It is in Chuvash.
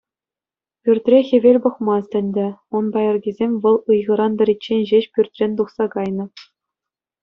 Пӳртре хӗвел пӑхмасть ӗнтӗ, ун пайӑркисем вӑл ыйхӑран тӑриччен ҫеҫ пӳртрен тухса кайнӑ.